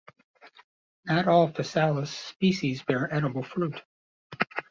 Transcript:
Not all "Physalis" species bear edible fruit.